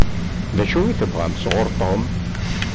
D acu i tebɣam sɣur Tom?